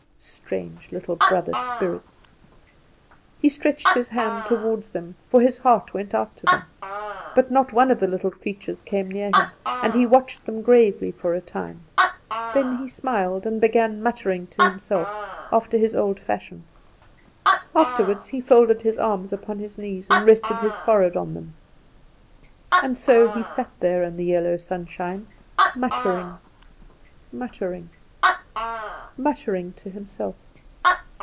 Strange little brother spirits! He stretched his hand toward them, for his heart went out to them; but not one of the little creatures came nearer him, and he watched them gravely for a time; then he smiled, and began muttering to himself after his old fashion. Afterward he folded his arms upon his knees, and rested his forehead on them. And so he sat there in the yellow sunshine, muttering, muttering, muttering, to himself.